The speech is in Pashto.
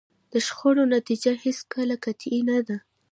د شخړو نتیجه هېڅکله قطعي نه ده.